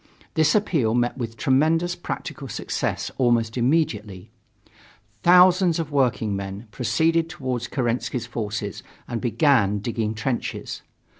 This appeal met with tremendous practical success almost immediately. Thousands of workingmen proceeded toward Kerensky's forces and began digging trenches.